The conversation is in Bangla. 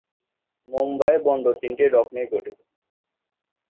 মুম্বাই বন্দর তিনটি ডক নিয়ে গঠিত।